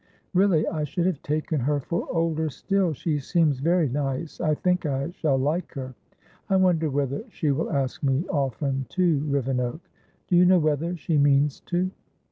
"Really, I should have taken her for older still. She seems very nice; I think I shall like her. I wonder whether she will ask me often to Rivenoak? Do you know whether she means to?"